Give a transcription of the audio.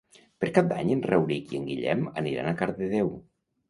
Per Cap d'Any en Rauric i en Guillem aniran a Cardedeu.